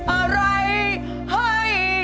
อะไรให้